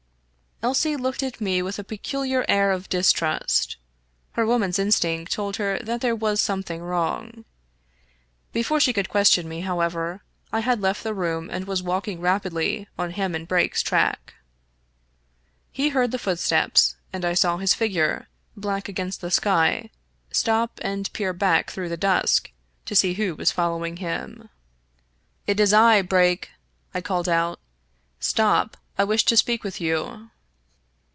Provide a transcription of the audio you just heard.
Elsie looked at me with a peculiar air of distrust. Her woman's instinct told her that there was something wrong. Before she could question me, however, I had left the room and was walking rapidly on Hammond Brake's track. He heard the footsteps, and I saw his figure, black against the sky, stop and peer back through the dusk to see who was following him. 63 • Irish Mystery Stories " It is I, Brake/' I called out " Stop ; I wish to speak with you."